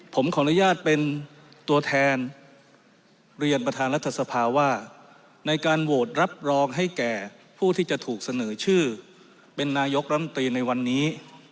ผมขออนุญาตเป็นตัวแทนเรียนประธานรัฐสภาว่าในการโหวตรับรองให้แก่ผู้ที่จะถูกเสนอชื่อเป็นนายกรัมตรีในวันนี้